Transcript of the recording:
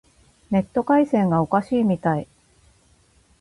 ネット回線がおかしいみたい。